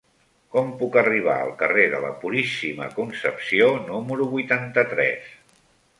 Com puc arribar al carrer de la Puríssima Concepció número vuitanta-tres?